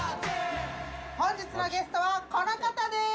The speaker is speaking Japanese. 本日のゲストはこの方です。